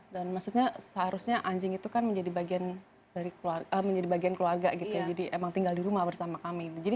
dan maksudnya seharusnya anjing itu kan menjadi bagian keluarga gitu ya jadi emang tinggal di rumah bersama kami